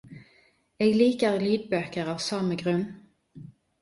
Eg liker lydbøker av same grunn.